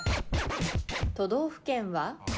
都道府県は？